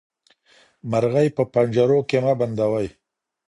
مرغۍ په پنجرو کې مه بندوئ.